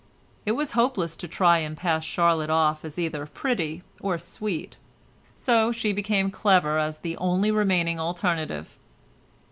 It was hopeless to try and pass Charlotte off as either pretty or sweet. So she became clever as the only remaining alternative.